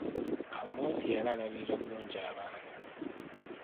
Amooti yali alabirira bulungi abaana.